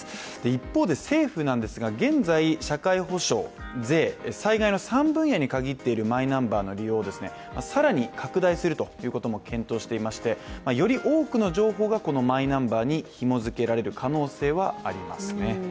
一方で政府なんですが、現在社会保障、税、災害の３分野に限っているマイナンバーの利用を更に拡大するということも検討していましてより多くの情報がこのマイナンバーにひもづけられる可能性はありますね。